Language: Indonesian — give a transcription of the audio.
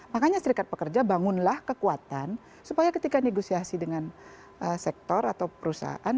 makanya serikat pekerja bangunlah kekuatan supaya ketika negosiasi dengan sektor atau perusahaan